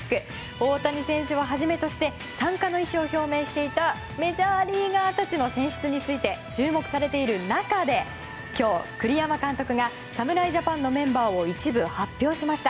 大谷選手をはじめとして参加の意思を表明していたメジャーリーガーたちの選出について注目されている中で今日、栗山監督が侍ジャパンのメンバーを一部発表しました。